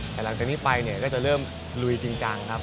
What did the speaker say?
แต่หลังจากนี้ไปเนี่ยก็จะเริ่มลุยจริงจังครับ